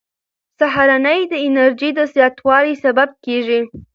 سهارنۍ د انرژۍ د زیاتوالي سبب کېږي.